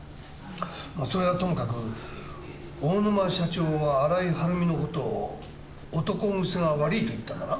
まあそれはともかく大沼社長は新井はるみの事を男癖が悪いと言ったんだな？